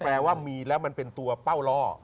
แปลว่ามีแล้วมันเป็นตัวเป้าล่อ